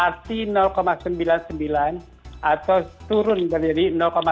rt sembilan puluh sembilan atau turun dari sembilan puluh delapan